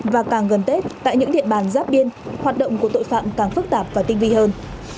và càng gần tết tại những địa bàn giáp biên hoạt động của tội phạm càng phức tạp và tinh vi hơn